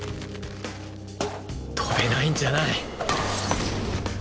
跳べないんじゃない